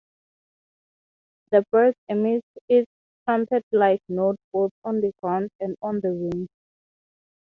The bird emits its trumpetlike note both on the ground and on the wing.